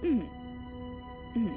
うん。